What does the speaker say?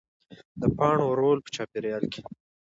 د پاڼو رول په چاپېریال کې